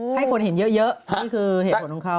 ให้คนเห็นเยอะนี่คือเหตุผลของเขา